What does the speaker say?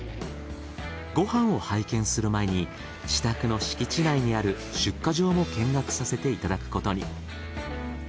ご飯を拝見する前に自宅の敷地内にある出荷場も見学させていただくことに。